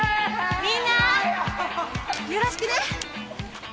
みんなよろしくね。